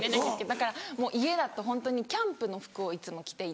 だから家だとホントにキャンプの服をいつも着ていた。